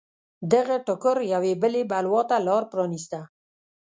دغه ټکر یوې بلې بلوا ته لار پرانېسته.